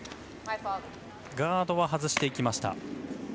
ガードは外していきました。